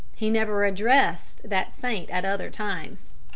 He never addressed that saint at other times."